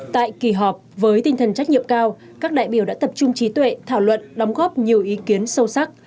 tại kỳ họp với tinh thần trách nhiệm cao các đại biểu đã tập trung trí tuệ thảo luận đóng góp nhiều ý kiến sâu sắc